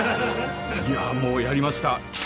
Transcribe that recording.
いやもうやりました。